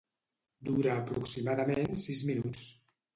Dura aproximadament sis minuts.